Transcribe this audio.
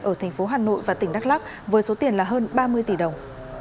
ở thành phố hà nội và tỉnh đắk lắc với số tiền là hơn ba mươi tỷ đồng